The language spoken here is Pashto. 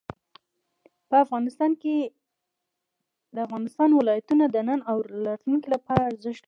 افغانستان کې د افغانستان ولايتونه د نن او راتلونکي لپاره ارزښت لري.